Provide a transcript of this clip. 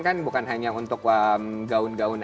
kan bukan hanya untuk gaun gaun